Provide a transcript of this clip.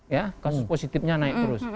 ya kasus positifnya naik terus